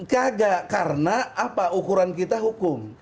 kagak karena apa ukuran kita hukum